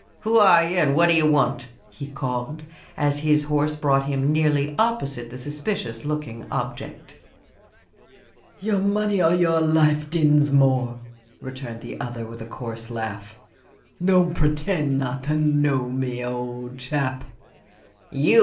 Who are you; and what d'ye want?" he called, as his horse brought him nearly opposite the suspicious looking object. "Your money or your life, Dinsmore," returned the other with a coarse laugh. "Don't pretend not to know me, old chap." "You!"